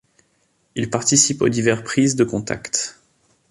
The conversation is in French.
Il participe aux divers prises de contacts.